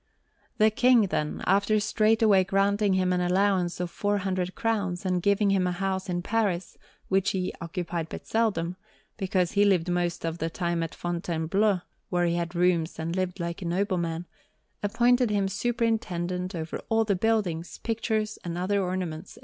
The King, then, after straightway granting him an allowance of four hundred crowns, and giving him a house in Paris, which he occupied but seldom, because he lived most of the time at Fontainebleau, where he had rooms and lived like a nobleman, appointed him superintendent over all the buildings, pictures, and other ornaments of that place.